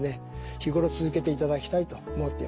日頃続けていただきたいと思っています。